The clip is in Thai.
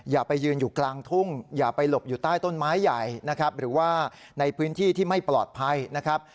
อย่าไปยืนอยู่กลางทุ่งอย่าไปหลบอยู่ใต้ต้นไม้ใหญ่นะครับหรือว่าในพื้นที่ที่ไม่ปลอดภัยนะครับ